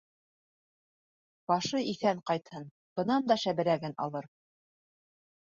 — Башы иҫән ҡайтһын, бынан да шәберәген алыр!